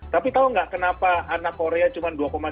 tapi tahu tidak kenapa anak korea cuma dua sembilan jam mbak